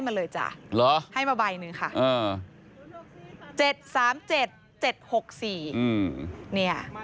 มีความว่ายังไง